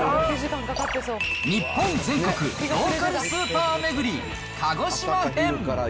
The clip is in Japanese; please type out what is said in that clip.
日本全国ローカルスーパーめぐり鹿児島編。